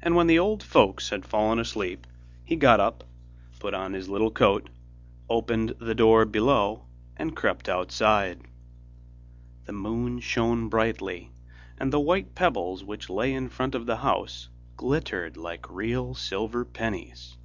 And when the old folks had fallen asleep, he got up, put on his little coat, opened the door below, and crept outside. The moon shone brightly, and the white pebbles which lay in front of the house glittered like real silver pennies.